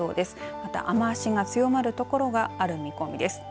また、雨足が強まるところがある見込みです。